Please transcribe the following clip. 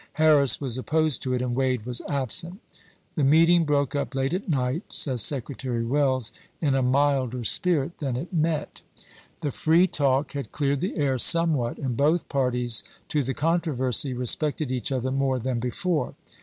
Harris was opposed to it and Wade was absent. The meeting broke up late at night, says Secretary Welles, "in a milder spirit than it met." The free SEWAKD AND CHASE 267 talk had cleared the air somewhat, and both parties chap. xii. to the controversy respected each other more than before.